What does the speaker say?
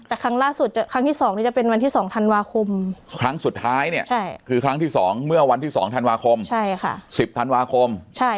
แต่ครั้งล่าสุดครั้งที่๒นี่จะเป็นวันที่๒ธันวาคมครั้งสุดท้ายเนี่ยคือครั้งที่๒เมื่อวันที่๒ธันวาคม๑๐ธันวาคม